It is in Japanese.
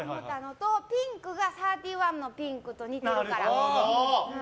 ピンクがサーティワンのピンクと似てるから。